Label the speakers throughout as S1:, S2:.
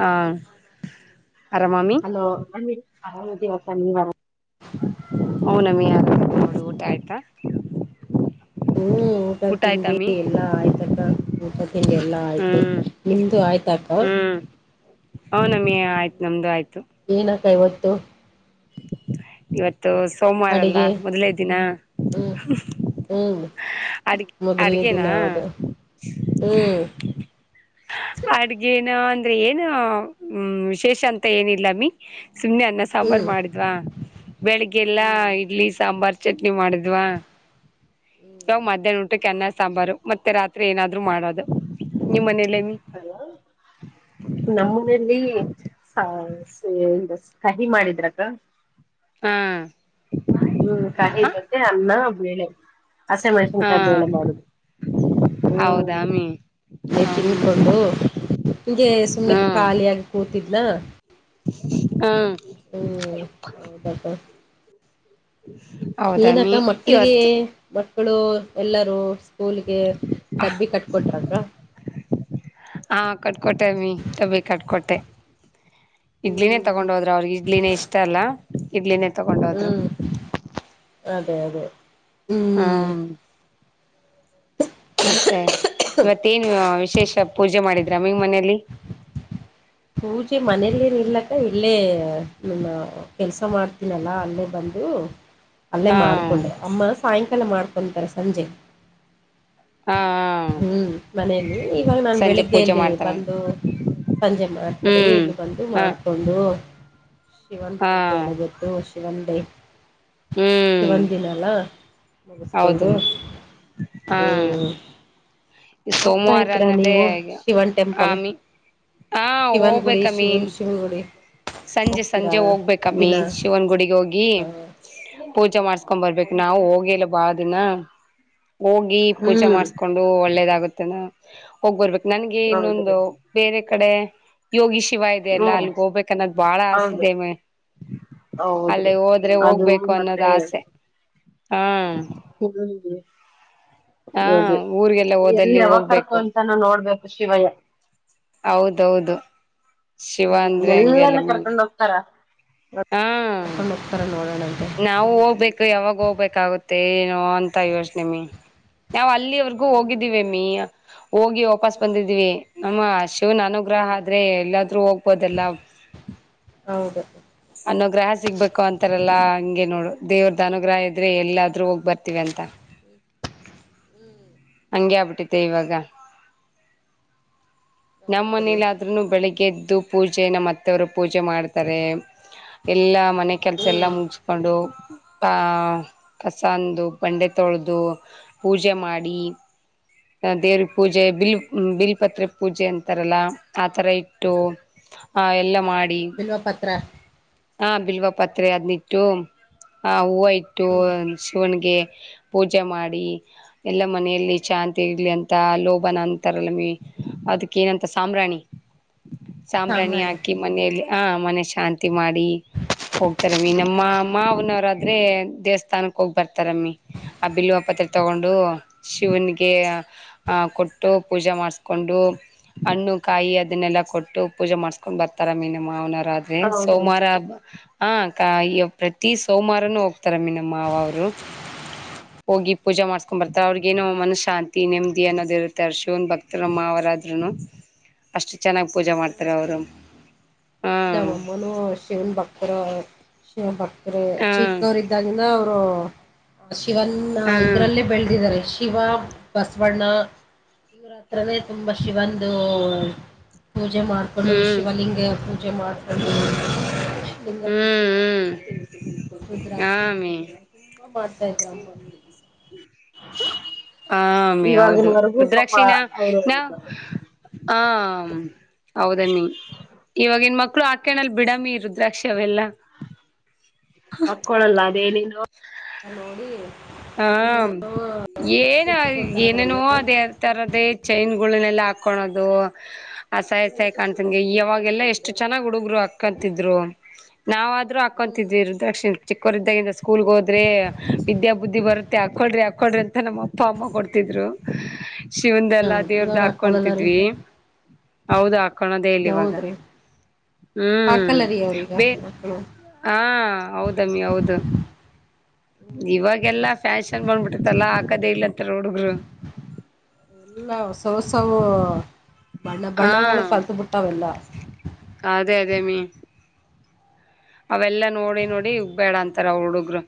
S1: ಹ ಅರಮಾಮಿ
S2: [unintelligible]
S1: ಹ್ಮ ನಮ್ಮಿ [unintelligible] ನೋಡು ಊಟ ಆಯ್ತಾ?
S2: ಹ್ಮ್ ಊಟ ತಿಂಡಿ ಎಲ್ಲಾ ಆಯ್ತಕ್ಕ. ಊಟ ತಿಂಡಿ ಎಲ್ಲ ಆಯಿತು
S1: ಹ್ಮ್
S2: ನಿಮ್ಮದು ಆಯ್ತಾಕ?
S1: ಹ್ಮ ನಮಿ ಆಯ್ತು ನಮ್ದು ಆಯ್ತು.
S2: ಏನಕ್ಕ ಇವತ್ತು?
S1: ಇವತ್ತು ಸೋಮವಾರಲ್ಲ
S2: ಅಡಿಗೆ
S1: ಮೊದಲೇ ದಿನ?
S2: ಹ್ಮ
S1: ಅಡಿಗ್ ಅಡಿಗೆೇನಾ?
S2: ಹ್ಮ್
S1: ಅಡ್ಗೇನ ಅಂದ್ರೆ ಏನ ಹ್ಮ ವಿಶೇಷ ಅಂತ ಏನಿಲ್ಲ ಮಿ ಸುಮನೆ ಅನ್ನ ಸಾಂಬಾರ್ು
S2: ಹ್ಮ್
S1: ಮಾಡಿದ್ವಾ ಬೆಳಗ್ಗೆ ಎಲ್ಲ
S2: ಹ್ಮ್
S1: ಇಡ್ಲಿ ಸಾಂಬಾರ್ ಚಟ್ನಿ ಮಾಡಿದ್ವಾ ಇ ಮಧ್ಯಾ್ನಂಟ್ಟು ಕೆೆನ್ನ ಸಾಂಬಾರು ಮತ್ತೆ ರಾತ್ರಿ ಏನಾದ್ರು ಮಾಡೋದು ನಿಮ್ಮ್ ಮನೇಲೆೇ ಮ
S2: ಹೋ ನಮ್ಮ ಮನೇೆಯಲ್ಲಿ ಸಹಿ ಮಾಡಿದ್ರಕ್ಕ
S1: ಹಾ
S2: ಹ್ಮ್
S1: ಹ
S2: ಕಾಯಿ್ದ ಅನ್ನ ಬೇಳೆ ಹಸೆ ಮೈಸನ್ಕಾಯಿ
S1: ಹಾ
S2: ಬೇಳೆ ಮಾಡುದು
S1: ಹೌದಾಮಿ ಹ್ಮ್
S2: ತಿಿಂದಕೊಂಡು ಹಿಗೆ ಸುಮನೆ ಖಾಲಿಯಾಗಿ ಕೂತಿದ್ನ
S1: ಹಾ
S2: ಹ್ ಹೌದಟಾ
S1: ಹ
S2: ಏನಕ್ಕ ಮಕ್ಕಳಿಗೆ ಮಕ್ಕಳು ಎಲ್ಲರೂ ಸ್ಕೂಲಗೆ ಡಬ್ಬಿ ಕಟ್ಕೊಟ್ರತ್ರ
S1: ಹಾ ಕಟ್ಕೊಟಮ್ಮಿ ಟಬಿ ಕಟ್ಕೊಟ್ಟೆ ಇಡ್ಲಿನೇ
S2: ಹ್ಮ್
S1: ತಗೊಂಡ ಹೋದ್ರು ಅವ್ರಿಗೆ ಇಡ್ಲಿನೇ ಇಷ್ಟ ಅಲ್ಲ ಇಡ್ಲಿನೇ ತಗೊಂಡ್ ಹೋದ್ರು
S2: ಹ್ಮ್ ಅದೇ ಅದೇ ಹ್ಮ್
S1: ಹ್ ಮತ್ತೆ ಇವತ್ತೇಏನ್ ವಿಶೇಷ ಪೂಜೆ ಮಾಡಿದ್ರ ನಿಂಗ ಮನೆಯಲ್ಲಿ
S2: ಪೂಜೆ ಮನೆಯಲ್ಲಿ ೇನು ಇರ್ಲಕ್ಕ ಇಲ್ಲೇ ನನ್ನು ಕೆಲಸ ಮಾಡ್ತೀನಲ್ಲ ಅಲ್ಲೇ ಬಂದು ಅಲ್ಲೇ
S1: ಹಾ
S2: ಮಾಡ್ಕೊಂಡೆ ಅಮ್ಮ ಸಾಯಂಕಾಲ ಮಾಡ್ಕೊಂತಾರೆ ಸಂಜೆ
S1: ಹಾ
S2: ಹ್ಮ್ ಮನೇೆಯಲ್ಲಿ ಈವಾಗ ನಾನ್
S1: ಸಂಜೆ ಪೂಜೆ
S2: ಬೆಳಿಗ್ಗೆಯಲ್ಲಿ
S1: ಮಾಡ್ತಾರ
S2: ಬಂದು ಸಂಜೆ ಮಾಡ್ತಾರೆ
S1: ಹ್ಮ್
S2: ಇಲ್ಲಿ ಬಂದು
S1: ಹ
S2: ಮಾಡ್ಕೊಂಡು ಶಿವನ್
S1: ಹಾ
S2: ಪೂಜೆ ಎಲ್ಲ ಬತ್ತ ಶಿವಂದೇ
S1: ಹ್ಮ್
S2: ಶಿವಂದಿಿನಲ್ಲ
S1: ಹೌದು
S2: ಮುಗಿಸ್ಕೊಂಡು
S1: ಹಾ
S2: ಹ್ಮ್ ಹೋಗ್ತಾ
S1: ಸೋಮವಾರ
S2: ಇದ್ದೀರಾ
S1: ಅನ್ನದೇ
S2: ನೀವು ಶಿವನ್ ಟೆಂಪಲ್
S1: ಆಮಿ ಹಾ
S2: ಶಿವನ್ ಗುಡಿ
S1: ಹೋಗ್ಬೇಕ
S2: ಶಿವನ್
S1: ಮೀನ್
S2: ಶಿವನ್ ಗುಡಿ
S1: ಸಂಜೆ
S2: ಹೋಗ್ತೀರಾ
S1: ಸಂಜೆ ಹೋಗ್ಬೇಕಮ್ಮಿ
S2: ದಿನ
S1: ಶಿವನ್ಗುಡಿಗೆ ಹೋಗಿ
S2: ಹ
S1: ಪೂಜೆ ಮಾಡಸ್ಕೊಂಡ್ ಬರ್ಬೇಕ ನಾವು ಹೋಗಿಿಲ್ಲ ಬಾಳ ದಿನ ಹೋಗಿ ಪೂಜೆ
S2: ಹ್ಮ್
S1: ಮಾಡಸ್ಕೊಂಡು ಒಳ್ಳೇದಾಗುತ್ತೆನ ಹೋಗ್ಬರ್ಬೇಕ ನನ್ಗೆ
S2: ಹೌದ್ರಿ
S1: ಇನ್ನೊಂದು ಬೇರೆ ಕಡೆ ಯೋಗಿ ಶಿವಾಯ ಲ್ಲ
S2: ಹ್ಮ್
S1: ಅಲ್ಲಿಗೆ ಹೋಗ್ಬೇಕು ಅನ್ನೋದು್ ಬಾಳ ಆಸ್ೆ
S2: ಹೌದು
S1: ಇದೆ ಅಲ್ಲ
S2: ಹೌದ್ರಿ ಅದು
S1: ಹೋಗ್ಬೇಕು ಅನ್ನೋದ
S2: ಮತ್ತೆ
S1: ಆಸೆ ಹಾ
S2: ಹಗೆ
S1: ಹಾ
S2: ಹದು
S1: ಊರ್ಗೆಲ್ಲ
S2: ಎಲ್ಲಿ
S1: ಹೋದಲ್ಲಿ
S2: ಯಾವಾಗ
S1: ಹೋಗ್ಬೇಕು
S2: ಕರ್ಕೊಂತ ನೋಡ್ಬೇಕು ಶಿವಯ್ಯ
S1: ಹೌದೌದು ಶಿವ ಅಂದ್ರೆ ಹಂಗೆಲ್ಲ ಮ
S2: ನಡ್ಕೊಂಡು ಹೋಗ್ತಾರ ನೋಡೋಣಗೆ
S1: ನಾವು ಹೋಗ್ಬೇಕು ಯಾವಾಗ ಹೋಗ್ಬೇಕಾಗುತ್ತೆ ಏನೋ ಅಂತ ಯೋಚನೆ ಮ ನಾವವು ಅಲ್ಲಿವರ್ಗೂ
S2: ಹ್ಮ್
S1: ಹೋಗಿದ್ದಿವವ ಮಿ ಹೋಗಿ ಹೋಗ ವಾಪಸ್
S2: ಹ್ಮ್
S1: ಬಂದಿದೀವಿ ನಮ್ಮ ಶಿವನ ಅನುಗ್ರಹ
S2: ಹ್ಮ್
S1: ಆದ್ರೆ ಎಲ್ಲಾದ್ರೂ ಹೋಗ್ಬೋದಲ್ಲ
S2: ಹೌದ
S1: ಅನ್ನೋ ಗ್ರಹ ಸಿಗ್ಬೇಕು ಅಂತಾರಲ್ಲಾ ಹಂಗೆ ನೋಡು ದೇವ್ರದ ಅನುಗ್ರಹ ಇದ್ರೆ ಎಲ್ಲಾದ್ರೂ ಹೋಗ್ ಬರ್ತಿವಿ ಅಂತ ಹಂಗೆ ಆಗ್ಬಿಟ್ಟಿತೆ ಇವಾಗ. ನಮ್ ಮನೇಲಿ ಆದ್ ತ್ರುನು ಬೆಳಿಗ್ಗೆ ಎದ್ದು ಪೂಜೆ ನಮ್ಮ ಅತ್ತೆವರು ಪೂಜೆ ಮಾಡ್ತಾರೆ ಎಲ್ಲ ಮನೆ ಕೆಲ್ಸ ಎಲ್ಲಾ ಮುಗಿಸಕೊಂಡು ತಾ ಕಸಂದು ಬಂಡೆ ತೊಳೆದು ಪೂಜೆ ಮಾಡಿ. ಅ ದೇವ್ರಿಗ್ ಪೂಜೆ ಬಿಲ್ ಬಿಲ್ಪತ್ರೆ ಪೂಜೆ ಅಂತಾರಲ್ಲ ಆತರ ಇಟ್ಟು. ಹಾ ಎಲ್ಲ ಮಾಡಿ
S2: ಬಿಲ್ವ ಪತ್ರ.
S1: ಹಾ ಬಿಲ್ವಾ ಪಾತ್ರೆ ಅದ್ನಿಟ್ಟು ಆ ಹೂವ ಇಟ್ಟು ಶಿವನಿಗೆ. ಪೂಜೆ ಮಾಡಿ ಎಲ್ಲ ಮನೆಯಲ್ಲಿ ಶಾಂತಿ ತೆ ಇರ್ಲಿ ಅಂತ ಲೋಭನ ಅಂತಾರಲ್ಲ ಮೀ ಅದಕ್ಕ ಏನಂತ ಸಾಮ್ರಾಣಿ ಸಾಂಬ್ರಾಣಿ ಹಾಕಿ ಮನೆಯಲ್ಲಿ ಆ ಮನೆ ಶಾಂತಿ ಮಾಡಿ. ಹೋಗ್ತಾರ ಅಮ್ಮೀ ನಮ್ಮ
S2: ಹೌದು.
S1: ಅಮ್ಮಾ ಅವನವ್ರ ಆದ್ರೆ ದೇವಸ್ಥಾನಕ್ಕ ಹೋಗ್ ಬರ್ತಾರಮ್ಮಿ ಆ ಬಿಲ್ಲುವಪ್ಪತ್ರ ತಗೊಂಡು ಶಿವನಿಗೆ ಕೆ ಅ ಕೊಟ್ಟು ಪೂಜೆ ಮಾಡಿಸಕೊಂಡು. ಹಣ್ಣು ಕಾಯಿ ಅದನ್ನೆಲ್ಲಾ ಕೊಟ್ಟು ಪೂಜೆ ಮಾಡ್ಸ್ಕೊಂಡ್ ಬರ್ತಾರ ಅಮ್ಮೀ ನಮ್ ಮಾವನರ ಅ [unintelligible] ಎನ್
S2: ಹೌದ್ರಿ
S1: ಸೋಮವಾರ ಹಬ್ಬ ಹ ಕ ಈ ಪ್ರತಿ ಸೋಮವಾರನುೂ ಹೋಗ್ತಾರ ಅಮ್ಮೀ ನಮ್ ಮಾವ ಅವರು. ಹೋಗಿ ಪೂಜಾ ಮಾಡ್ಸ್ಕೊಂಡ್ ಬರ್ತಾರ ಅವ್ರಿಗೇನೋ ಮನಷ್ ಶಾಂತಿ ನೆಮ್ಮದಿ ಅನ್ನೋದ ಇರುತ್ತೆ ಶಿವನ್ ಭಕ್ತರಮ್ಮ ಮಾವರಾದ್ರುನು ಅಷ್ಟ ಚೆನ್ನಾಗ್ ಪೂಜೆ ಮಾಡ್ತಾರೆ ಅವರು
S2: ನಮ್
S1: ಹ್ಮ್
S2: ಅಮ್ಮನು ಅಷ್ಟೇ ಶಿವನ್ ಭಕ್ತರು ಶಿವನ್ ಭಕ್ತರು
S1: ಹ್ಮ್
S2: ಚಿಕ್ಕೊರಿದ್ದಾಗನಿಂದ ಅವ್ರು. ಶಿವನ್ನ
S1: ಹ್ಮ್
S2: ಇದ್ರಲ್ಲೇ ಬೆಳದಿದ್ದಾರೆ ಶಿವ ಬಸವಣ್ಣ. ಇವ್ರ ಹತ್ರನೇ ತುಂಬಾ ಶಿವಂದು ಪೂಜೆ ಮಾಡ್ ಕಕೊಂಡು
S1: ಹ್ಮ್
S2: ಶಿವಲಿಂಗ ಪೂಜೆ ಮಾಡ್ಕೊಂಡು ಶಿವಲಿಂಗ ಪೂಜೆ
S1: ಹ್ಮ್ ಹ್ಮ್
S2: ಮಾಡ್ಕೊಂಡು ರುದ್ರಾಕ್ಷಿ
S1: ಆಮಿ
S2: ಹಾಕೊಂಡು ತುಂಬಾ ಮಾಡ್ತಾ ಇದ್ರು ಅಮ್ಮ.
S1: ಆ ಅಮ್ಮೀ ಹೌದು
S2: ಇವಾಗಿನವರೆಗೂ ಪಾಪ
S1: ರುದ್ರಾಕ್ಷಿನ
S2: ಅವರು
S1: ನಾ ನಾವ್ ಹ ಹೌದಮ್ಮಿ ಇವಾಗಿನ್ ಮಕ್ಳು ಆಕಣಲ್ ಬಿಡಮ್ಮಿ ರು ಲಕ್ಷ್ಯವೆಲ್ಲ.
S2: ಹಾಕ್ಕೊಳಲ್ಲ ಅದೇನೆನೋ ನೋಡಿ
S1: ಹಾ
S2: ಏನೇನೋ
S1: ಏನು
S2: ಇಟ್ಕೊಂತಾರ
S1: ಏನೇನೋ
S2: ಅದ್ರಲ್ಲಿ
S1: ಅದ ತರದೇ ಚೈನ್ ಗುಳನೆಲ್ಲ ಹಾಕೊಳೋದು. ಆ [unintelligible] ಸಾಯಿ ಕಾಣಸಂಗೆ ಅವಾಗೆಲ್ಲಾ ಎಷ್ಟು ಚೆನ್ನಾಗ್ ಹುಡುಗ್ರು ಅಕ್ಕಂತಿದ್ರು. ನಾವಾದ್ರೂ
S2: ಹ್ಮ್
S1: ಹಾಕೊಂತಿದ್ವಿ ರುದ್ರಾಕ್ಷಿಣ ಚಿಕ್ಕೋರ್ ಇದ್ದಂಗ್ಲಿಂದ ಸ್ಕೂಲ್ಗ ಹೋದ್ರೆ ವಿದ್ಯಾ ಬುದ್ಧಿ ಬುದ್ಧಿ ಬರುತ್ತೆ ಹಾಕ್ಕೊಳ್ರಿ ಹಾಕೊಳ್ರಿ ಅಂತ ನಮ್ಮ ಅಪ್ಪ ಅಮ್ಮ ಕೊಡ್ತಿದ್ರು. ಶಿವನ್ಂದಲ್ಲಾ
S2: ಹೌದು
S1: ದೇವ್ರ್ದ
S2: ಇವಾಗ ಹಾಕೊಳಲ್ಲ ರೀ
S1: ಹಾಕೊತಿದ್ವಿ. ಹೌದು ಹಾಕಳದೇ ಇಲ್ ಇವಾಗ
S2: ಹೌದ್ರಿ
S1: ಹ್ಮ್
S2: ಹಾಕಲ್ಲ ರೀ ಅವ್ರೀಗ
S1: ಬೇ
S2: ಮಕ್ಕಳು
S1: ಹಾ ಹೌದಮ್ಮಿ ಹೌದು. ಇವಾಗೆಲ್ಲಾ ಫ್ಯಾಷನ್ ಬಂದ್ಬಿಟ್ಟಿತ್ತಲ್ಲಾ ಆಕದೇ ಇಲ್ಲ ಅಂತಾರ ಹುಡ್ಗ್ರು.
S2: ಎಲ್ಲ ಹೊಸ ಹೊಸವು ಬಣ್ಣ
S1: ಹಾ
S2: ಬಣ್ಣಗಳು ಕಲ್ತ್ ಬಿಟ್ಟಾವೆಲ್ಲ.
S1: ಆ ಅದೇ ಅದೇ ಅಮ್ಮೀ. ಅವೆಲ್ಲಾ ನೋಡಿ ನೋಡಿ ಇವ್ ಬೇಡ ಅಂತಾರ ಅವ ಹುಡುಗ್ರು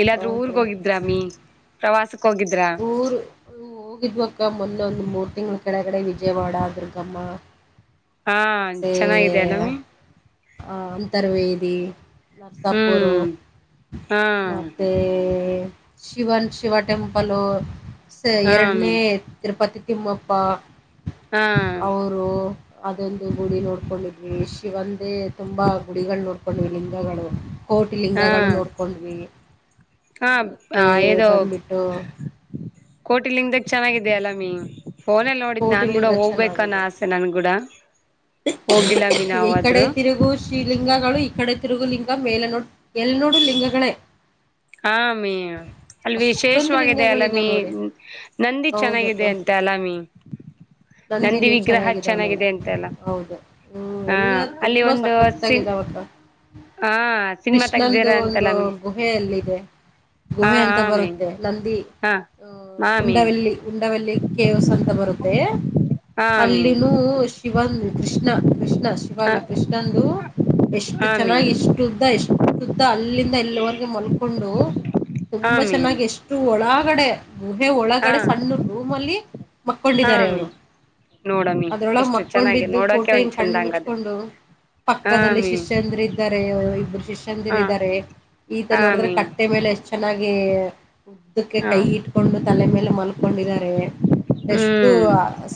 S1: ಇಲ್ಲಾದ್ರೂ ಊರ್ಗ್
S2: ಹೌದ್ರಿ
S1: ಹೋಗಿ ದ್ರಾಮಿ ಪ್ರವಾಸಕ್ ಹೋಗಿದ್ರಾ.
S2: ಊರು ಹ್ಮ್. ಹೋಗಿದ್ವಕ್ಕ ಮೊನ್ನೊಂದು ಮೂರು ತಿಂಗ್ಳ ಕೆಳಗಡೆ ವಿಜಯವಾಡ ಅ್ರಗಮ್ಮ
S1: ಹಾ
S2: ಮತ್ತೆ
S1: ಚೆನ್ನಾಗಿದೆ ಅಲ್ಲ ಮಿ
S2: ಆ ಅಂತರ್ವೇದಿ ನಸ ಪರ್ವ
S1: ಹ್ಮ್ ಹಾ
S2: ಮತ್ತುತ್ತ ಶಿವನ್ ಶಿವ ಟೆಂಪಲು
S1: ಹಾ ಮಿ
S2: ಎರಡನೇ ತಿರುಪತಿ ತಿಮ್ಮಪ್ಪ
S1: ಹಾ
S2: ಸೊ ಅದೊಂದು ಗುಡಿ ನೋಡ್ಕೊಂಡಿದ್ವಿ ಶಿವ ಒಂದೇ ತುಂಬಾ ಗುಡಿಗಳು ನೋಡ್ಕೊಂಡ್ವಿ ಲಿಂಗಗಳು ಕೋಟಿ
S1: ಹಾ
S2: ಲಲಿಂಗಗಳು ನೋಡ್ಕೊಂಡ್ವಿ
S1: ಹಾ
S2: ಮತ್ತೆ ಬಂದ್ಬಿಟ್ಟು
S1: ಹೋಟೆಲ್ಿಂದ ಚನ್ನಾಗಿದ ಅಲ್ಲ ಮ ಫೋನಲ್ಲಿ ನೋಡಿದ್
S2: ಕೋಟಿ
S1: ನಾನ್ ಕೂಡ
S2: ಲಿಂಗ
S1: ಹೋಗ್ಬೇಕ ಅನ್ನ
S2: ಚೆನ್ನಾಗಿದೆ
S1: ಆಸೆ ನನ್ಗೂಡ ಹೋಗಿಲ್ಲ ಮೀ ನಾವಾದ್ರೂ
S2: ಶ್ರೀ ಲಿಂಗಗಳು ಈ ಕಡೆ ತಿರುಗು ಲಿಂಗ ಮೇಲೆ ನೋಡು ಎಲ್ ನೋಡು ಲಿಂಗಗಳೇ
S1: ಹಮೇ ಅಲ್
S2: ಅಷ್ಟೊಂದು
S1: ವಿಶೇಷವಾಗಿದೆ ಅಲಾಮೀ
S2: ಲಿಂಗಗಳಿದಾವೆ ನೋಡಿ
S1: ನಂದಿ ಚೆನ್ನಾಗಿದೆ
S2: ಹೌದಕ್ಕ
S1: ಅಂತೆ ಅಲಾಮಿ
S2: ನಂದಿನೂ ಚೆನ್ನಾಗಿದಾವ ನೋಡ ಹೌದು ಹ್ಮ್
S1: ಹ
S2: ಎಲ್ಲಾ
S1: ಅಲ್ಲಿ
S2: ತುಂಬಾ
S1: ಒಂದು
S2: ಸಕ್ಕತ್
S1: ಸಿನ್
S2: ತಗಿದ ಅವತ್ತ
S1: ಹಾ ಸಿನಿಮಾ
S2: ಕೃಷ್ಣನ್್ದ
S1: ತೆಗ್ದಿರ ಅಂತಲ್ಲ
S2: ಒಂದು
S1: ಮಿ
S2: ಗುಹ ಅಲ್ಲಿದೆ
S1: ಹಾ
S2: ಗುಹೆ ಅಂತ
S1: ಆಮಿ
S2: ಬರುತ್ತೆ ನಂದಿ
S1: ಹಾ
S2: ಅ
S1: ಆಮಿ
S2: ಉಂಡಲ್ಲಿ ಉಂಡಲ್ಲಿ ಕೇವ್ಸ್ ಅಂತ ಬರುತ್ತೆ
S1: ಆಮಿ
S2: ಅಲ್ಲಿನೂ ಶಿವನ್ ಕೃಷ್ಣ ಕೃಷ್ಣ ಕ್ಣ
S1: ಹ
S2: ಶಿವಾಲ ಕೃಷ್ಣಂದು ಎಷ್ಟು
S1: ಆಮಿ
S2: ಚೆನ್ನಾಗಿ ಇಷ್ಟ ಷ್ಟುದ್ದ ಎಷ್ಟುುದ್ದ ಅಲ್ಲಿಂದ ಎಲ್ಲಿವರೆಗೆ ಮಲ್ಕೊಂಡು ತುಂಬ
S1: ಆಮಿ
S2: ಚೆನ್ನಾಗಿ ಎಷ್ಟು ಒಳಗಡೆ ುಹೆ
S1: ಹಾ
S2: ಒಳಗಡೆ ಸಣ್ಣ ರೂಮ್ ಅಲ್ಲಿ ಮಕ್ಕೊಂಡಿದ್ದಾರೆ
S1: ಹಾಮಿ
S2: ಅವರು
S1: ನೋಡಮ್ಮಿ
S2: ಅದ್ರೊಳಗ
S1: ಎಷ್ಟು ಚೆನ್ನಾಗಿ
S2: ಮಕ್ಕೊಂಡಿದ್ದು
S1: ನೋಡಕೆ
S2: ಫೋಟೋ
S1: ಒಂದ್
S2: ಹಿಂಗ
S1: ಚಂದ
S2: ಕಣ್ಣು
S1: ಹಂಗಾದ್ರೆ
S2: ಮುಚ್ಕೊಂಡು ಪಕ್ಕದಲ್ಲಿ
S1: ಹಾಮಿ
S2: ಶಿಷ್ಯಂದಿರ ಇದ್ದಾರೆ ಇಬ್ಬರು ಶಿಷ್ಯಂದಿರ್
S1: ಹಾ
S2: ಇದ್ದಾರೆ ಈತ ನೋಡಿದ್ರೆ
S1: ಹಾಮಿ
S2: ಕಟ್ಟೆ ಮೇಲೆ ಎಷ್ಟ್ ಚೆನ್ನಾಗಿ ಉದ್ದಕ್ಕೆ
S1: ಹಾ
S2: ಕೈ ಇಟ್ ಕೊಂಡು ತಲೆ ಮೇಲೆ ಮಲ್ಕೊಂಡಿದಿದ್ದಾರೆ ಎಷ್ಟು
S1: ಹ್ಮ್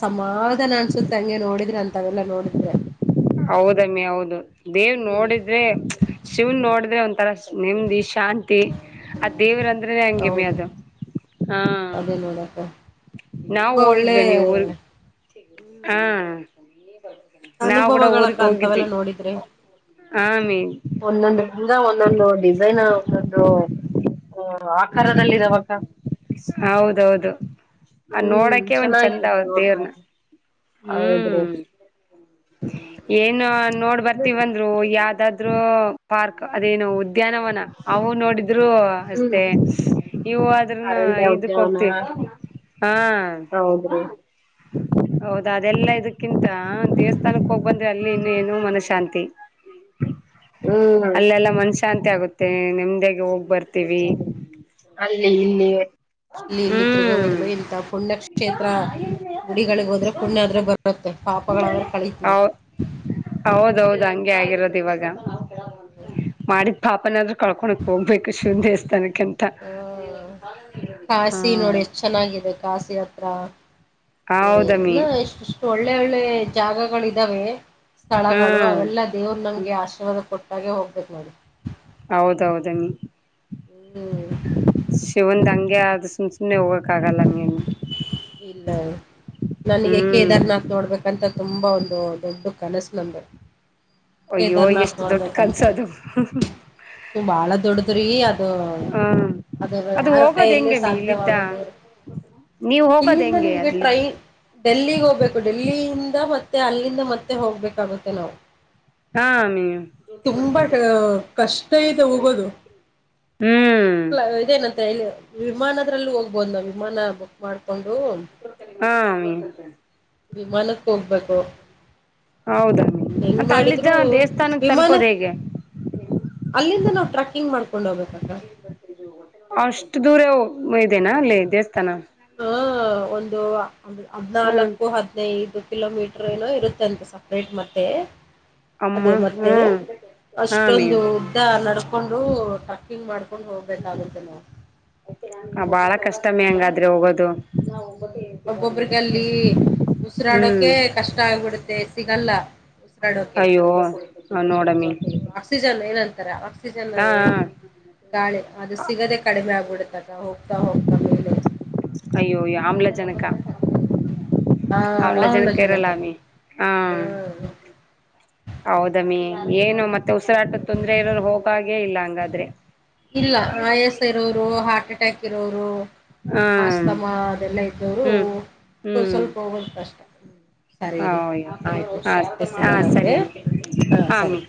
S2: ಸಮಾಧಾನ ಅನ್ಸುತ್ತೆ ಹಂಗೆ ನೋಡಿದ್ರೆ ಅಂತವೆಲ್ಲ ನೋಡಿದ್ರೆ
S1: ಹೌದಮ್ಮಿ ಹೌದು ದೇವ್
S2: ಹ್ಮ್
S1: ನೋಡಿದ ಆದೆ ಶಿವನ್ ನೋಡಿದ್ರೆ ಒಂಥರ ನೆಮ್ದ್ ಈ ಶಾಂತಿ ಅ ದೇವ್ರಂದ್ರೆನೆ ಹಂಗೆಮಿ ಅದು ಹಾ
S2: ಮಾಡಡಕ
S1: ನಾವ ಹೋಗಿದ್ವ ಮ ಊರ್ ಹಾ ನಾವವು ಕೂಡ
S2: ಅನುಭವಗಳಕ್ಕ
S1: ಊರ್ಕ್ ಹೋಗಿದ್ವಿ
S2: ಅಂತವೆಲ್ಲ
S1: ಆಮೇ
S2: ಒಂದೊಂದುಂದ ಒಂದೊಂದು ಡಿಸೈನ್ ಒಂದೊಂದು ಆಕಾರದಲ್ಲಿ ಇದಾವಕ್ಕ
S1: ಹೌದೌದು ಅ
S2: ಹ್ಮ್
S1: ನೋಡಕೆ ಒಂದ್ ಚಂದ
S2: ಚೆನ್ನಾಗಿರುತ್ತೆ
S1: ಅವದ ದೇವ್ರನ
S2: ನೋಡ್ಕೊಳಕ್ಕೆ. ಹೌದ್ರಿ.
S1: ಹ್ಮ್ ಏನ್ ನೋಡ್ ಬರ್ತಿೀವಂದ್ರ ಯಾವಾದ್ರು ಪಾರ್ಕ್ ಅದೇನು ಉದ್ಯಾನವನ ಅವು ನೋಡಿದ ್ರೂ ಅಷ್ಟೇ ಇವು ಅ್ರ
S2: ಎಣ್ಣೆ ಉದ್ಯವನ ಹೌದ್ರಿ
S1: ಹೌದಾ ಅದೆಲ್ಲಾ ಇದಕ್ಕಿಂತ ದೇವಸ್ಥಾನಕ್ ಹೋಗ್ ಬಂದ್ರೆ ಅಲ್ಲಿ ಇನ್ನ ಏನು ಮನಶಶಾಂತಿ
S2: ಹ್ಮ್.
S1: ಅಲ್ಲೆಲ್ಲ ಮನ್ಶಾಂತಿ ಆಗುತ್ತೆ ನೆಮ್ದಾಗ ಹೋಗ್ ಬರ್ತೀವಿ
S2: ಅಲ್ಲಿ ಇಲ್ಲಿ ಇಲ್ಲಿ ಇಲ್ಲಿ ತಿರುಗೋ
S1: ಹ್ಮ್
S2: ಬದಲು ಇಂತ ಪುಣ್ಯಕ್ಷೇತ್ರ ಗುಡಿಗಳಿಗೆ ಹೋದ್ರೆ ಪುಣ್ಯ ಆದ್ರೂ ಬರುತ್ತೆ ಪಾಪಗಳಾದ್ರ ಕಳಿತೀವಿ
S1: ಹೌ ಹೌದೌದು ಹಂಗೆ ಆಗಿರೋದು ಇವಾಗ ಮಾಡಿದ್ ಪಾಪನಾದ್ ಕಳ್ಕೊಳಕ್ಕೆ ಹೋಗಬೇಕು ಶಿವನ ದೇವಸ್ಥಾನಕ್ಕೆ ಅಂತ.
S2: ಕಶಿ ನೋಡಿ ಎಷ್ಟ ಚೆನ್ನಾಗಿದೆ ಕಾಸಿ ಹತ್ರ
S1: ಹೌದಮ್ಮಿ
S2: ನ ಎಷ್ಟು. [unintelligible] ಒಳ್ಳೆ ಒಳ್ಳೆ ಜಾಗಗಳು ಇದಾವೆ ಸ್ಥಳಗಳು
S1: ಹ್ಮ್
S2: ಅವೆಲ್ಲ ದೇವ್ರು ನಮಗೆ ಆಶೀರ್ವಾದ ಕೊಟ್ಟಾಗೆ ಹೋಗ್ಬೇಕು ನೋಡಿ.
S1: ಹೌದೌದಮ್ಮ
S2: ಹ್ಮ್
S1: ಶಿವಂದ ಹಂಗೆ ಆದ ಸುಮ ನ ಹೋಗಕ್ಕಾಗಲ್ಲ.
S2: ಇಲ್ಲ ನನಗೆ
S1: ಹ್ಮ್
S2: ಕೇದಾರ್ನಾಥ್ ನೋಡ್ಬೇಕಂತ ತುಂಬಾ ಒಂದು ದೊಡ್ಡ ಕನಸು ನಂದು.
S1: ಅಯ್ಯೋ
S2: ಕೇದಾರ್ನಾಥ್
S1: ಎಷ್ಟು ದೊಡ್ಡ
S2: ನೋಡ್ಬೇಕಂತ
S1: ಕನ್ಸೋದು.
S2: ಬಾಳ ದೊಡ್ಡದ್ರಿ ಅದು
S1: ಹ್ಮ್
S2: ಅದು ಯಾರ
S1: ಹೋಗೋದ್
S2: ಕೈಯಲ್ಲಿ
S1: ಹೆಂಗೆ ಅಮ್ಮಿ ಇಲ್ಲಿದ್ದ
S2: ಸಾಧ್ಯವಾಗಲ್ ನೋಡ್.
S1: ನೀವ್ ಹೋಗೋದ್
S2: ಇಲ್ಲಿಂದ
S1: ಹೆಂಗೆ
S2: ನಿಮಗೆ
S1: ಅಲ್ಲಿ
S2: ಟ್ರೈನ್ ಡೆಲ್ಲಿಗ್ ಹೋಗ್ಬೇಕು ಡೆಲ್ಲಿಯಿಂದ ಮತ್ತೆ ಅಲ್ಲಿಂದ ಮತ್ತೆ ಹೋಗ್ಬೇಕಾಗುತ್ತೆ ನಾವು.
S1: ಹಾ ಅಮ್ಮಿ
S2: ತುಂಬಾ ಕಷ್ಟ ಇದೆ ಹೋಗೋದು.
S1: ಹ್ಮ್
S2: ಪ್ಲಾನ್ ಇದೆ. [inaudible] ಮ ವಿಮಾನದ್ರಲ್ಲ ಹೋಗ್ಬೋದು ನಾವು ವಿಮಾನ ಬುಕ್ ಮಾಡ್ಕೊಂಡು.
S1: ಹಾ ಅಮ್ಮಿ.
S2: ವಿಮಾನಕ್ಕೆ ಹೋಗ್ಬೇಕು.
S1: ಹೌದ
S2: ಹೆಂಗ್
S1: ಮತ್ತ ಅಲ್ಲಿದ್ದ
S2: ಮಾಡಿದ್ರು
S1: ದೇವಸ್ಥಾನಕ್
S2: ವಿಮಾನ
S1: ತಲುಪೋದು ಹೇಗೆ.
S2: ಅಲ್ಲಿಂದ ನಾವು ಟ್ರಕ್ಕಿಂಗ್ ಮಾಡ್ಕೊಂಡ್ ಹೋಗಬೇಕಕ್ಕ.
S1: ಅಷ್ಟು ದೂರ ಇದೆನ ಅಲ್ಲಿ ದೇವಸ್ಥಾನ ಅಲ್ಲಿ.
S2: ಹ ಒಂದು
S1: ಹ್ಮ್
S2: ಹದ್ನಾಲ್ಕು ಹದ್ನೈದು ಕಿಲೋಮೀಟರ್ ಏನೋ ಇರುತ್ತೆ ಅಂತೆ ಸಪ್ರೇಟ್ ಮತ್ತೆ.
S1: ಅಮ್ಮ
S2: ಅದು ಮತ್ತೆ
S1: ಹ್ಮ್ ಹಾ ಅಮ್ಮಿ
S2: ಅಷ್ಟೊಂದು ಉದ್ದಾ ನಡ್ಕೊಂಡು ಟ್ರಕ್ಕಿಂಗ್ ಮಾಡ್ಕೊಂಡು ಹೋಗ್ಬೇಕಾಗುತ್ತೆ ನಾವು
S1: ಬಾಳ ಕಷ್ಟಮಿ ಹಂಗಾದ್ರೆ ಹೋಗೋದು.
S2: ಒಬ್ಬೊಬ್ರಗಲ್ಲಿ
S1: ಹ್ಮ್
S2: ಉಸಿರಾಡೋಕೆ ಕಷ್ಟ ಆಗ್ಬಿಡುತ್ತೆ ಸಿಗಲ್ಲ. ಉಸಿರಾಡೋಕೆ
S1: ಅಯ್ಯೋ ಹ ನೋಡಮ್ಮಿ.
S2: ಇದು ಆಕ್ಸಿಜನ್ ಏನಂತಾರೆ ಆಕ್ಸಿಜನ್
S1: ಹಾ
S2: ಏನಂತಾರೆ. ಗಾಳಿ ಅದು ಸಿಗದೆ ಕಡಿಮೆ ಆಗ್ಬಿಡುತ್ತಕ್ಕ ಹೋಗ್ತಾ ಹೋಗ್ತಾ ಮೇಲೆ.
S1: ಅಯ್ಯೋ ಆಮ್ಲ ಜನಕ
S2: ಹ್ಮ್ ಆ ಆ
S1: ಅಮ್ಲಜನಕ ಇರಲ್ಲಾ
S2: ಆಮ್ಲಜನಕ
S1: ಅಮ್ಮಿ ಹ
S2: ಹ್ಮ್ [inaudible]
S1: ಹೌದಮ್ಮಿ
S2: ಕಷ್ಟ
S1: ಏನು
S2: ಆಗುತ್ತೆ
S1: ಮತ್ತೆ ಉಸಿರಾಟದ
S2: ಹೌದು
S1: ತೊಂದ್ರೆ ಇರೋರು ಹೋಗಾಗೆ ಇಲ್ಲ ಹಂಗಾದ್ರೆ.
S2: ಇಲ್ಲ ಆಯಾಸ ಇರೋರು ಹಾರ್ಟ್ ಅಟ್ಯಾಕ್ ಇರೋರು
S1: ಹಾ
S2: ಮಾಸ್ತಮ್ಮ ಅದೆಲ್ಲ ಇದ್ದವರು
S1: ಹ್ಮ್
S2: ಸ್ವ
S1: ಹ್ಮ್
S2: ಸ್ವಲ್ಪ ಹೋಗೋದು ಕಷ್ಟ. ಸರಿರಿ ಆಯ್ತ್ರಿ ಮತ್ತೆ
S1: ಹಾ
S2: ಸಿಗೋಣಂತೆ
S1: ಸರಿ ಅಮ್ಮಿ
S2: ಹಾ ಸರಿ.